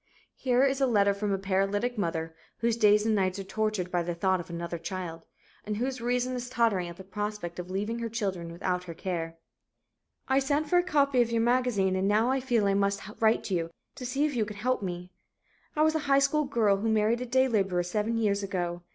Here is a letter from a paralytic mother, whose days and nights are tortured by the thought of another child, and whose reason is tottering at the prospect of leaving her children without her care: "I sent for a copy of your magazine and now feel I must write you to see if you can help me. "I was a high school girl who married a day laborer seven years ago.